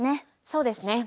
そうですね。